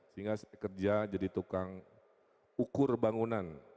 sehingga saya kerja jadi tukang ukur bangunan